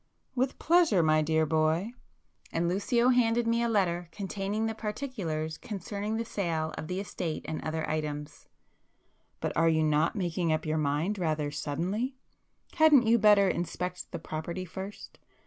"With pleasure, my dear boy!" And Lucio handed me a letter containing the particulars concerning the sale of the estate and other items. "But are you not making up your mind rather suddenly? Hadn't you better inspect the property first?